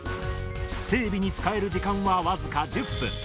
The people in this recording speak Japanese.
整備に使える時間は僅か１０分。